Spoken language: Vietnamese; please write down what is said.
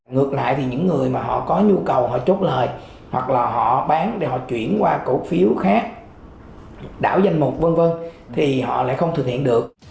ngược lại thì những người mà họ có nhu cầu họ chốt lời hoặc là họ bán để họ chuyển qua cổ phiếu khác đảo danh mục v v thì họ lại không thực hiện được